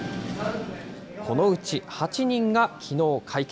このうち８人がきのう会見。